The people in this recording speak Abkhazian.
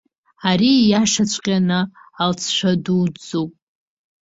Ари ииашаҵәҟьаны алҵшәа дуӡӡоуп.